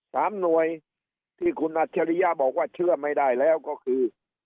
สามหน่วยที่คุณอัจฉริยะบอกว่าเชื่อไม่ได้แล้วก็คือ